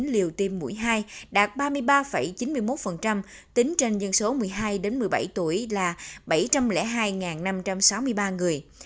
hai trăm ba mươi tám hai trăm linh chín liều tiêm mũi hai đạt ba mươi ba chín mươi một tính trên dân số một mươi hai một mươi bảy tuổi là bảy trăm linh hai năm trăm sáu mươi ba người